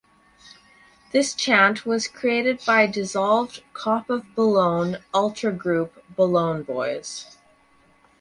This chant was created by dissolved Kop of Boulogne ultra group Boulogne Boys.